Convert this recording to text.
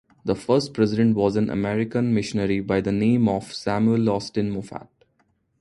The first president was an American missionary by the name of Samuel Austin Moffatt.